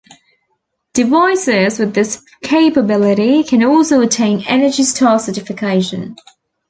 Devices with this capability can also attain Energy Star certification.